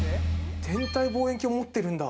天体望遠鏡持ってるんだ。